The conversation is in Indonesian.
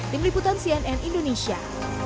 tim liputan cnn indonesia